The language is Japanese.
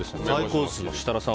設楽さん